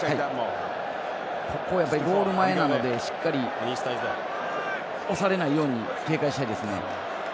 ここはゴール前なのでしっかり押されないように警戒したいですね。